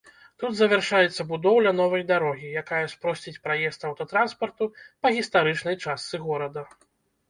Тут завяршаецца будоўля новай дарогі, якая спросціць праезд аўтатранспарту па гістарычнай частцы горада.